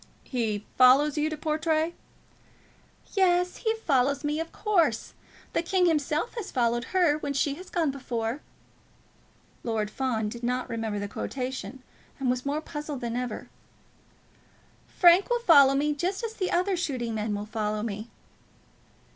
"He follows you to Portray? "Yes; he follows me, of course. 'The king himself has followed her, When she has gone before.'" Lord Fawn did not remember the quotation, and was more puzzled than ever. "Frank will follow me, just as the other shooting men will follow me."